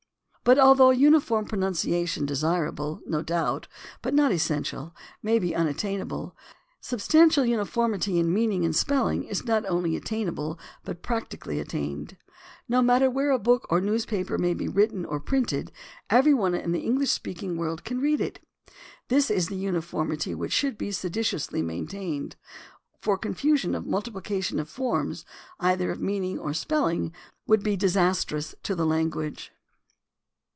But although uniform pronunciation, desirable, no doubt, but not essential, may be imattainable, substan tial uniformity in meaning and spelling is not only attainable, but practically attained. No matter where a book or a newspaper may be written or printed every one in the English speaking world can read it. This is the uniformity which should be sedulously maintained, for confusion or multiplication of forms, either of meaning or spelling, would be disastrous to the language.